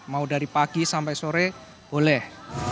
mau dari pagi sampai sore boleh